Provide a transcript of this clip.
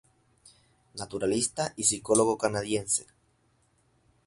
Naturalista y psicólogo canadiense.